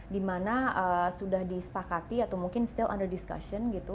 dimana sudah disepakati atau mungkin still under discussion